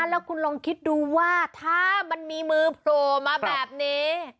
แล้วคุณลองคิดดูว่าถ้ามันมีมือโผล่มาแบบนี้